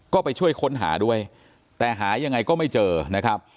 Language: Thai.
ก็ไปช่วยค้นหาด้วยแต่หายังไงก็ไม่เจอนะครับ